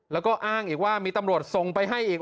แล้วก็อ้างอีกว่ามีตำรวจส่งไปให้อีก